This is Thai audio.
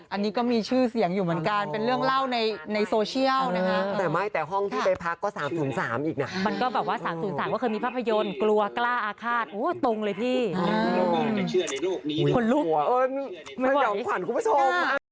อันนี้ก็มีชื่อเสียงอยู่เหมือนกันเป็นเรื่องเล่าในในโซเชียลนะฮะแต่ไม่แต่ห้องที่ได้พักก็สามศูนย์สามอีกน่ะมันก็แบบว่าสามศูนย์สามว่าเคยมีภาพยนต์กลัวกล้าอาฆาตโอ้โหตรงเลยพี่อือคนลุกเอิ้น